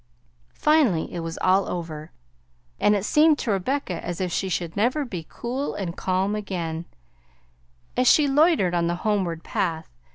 Finally it was all over, and it seemed to Rebecca as if she should never be cool and calm again, as she loitered on the homeward path.